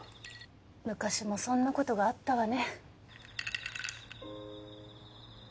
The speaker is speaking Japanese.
昔もそんなことがあったわね